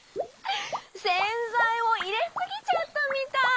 せんざいをいれすぎちゃったみたい。